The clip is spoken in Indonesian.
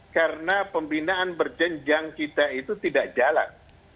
karena pembinaan berjenjang kita itu tidak jalan